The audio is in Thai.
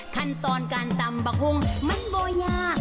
ขั้นตอนการตำบักหุ้งมันบ่ยาก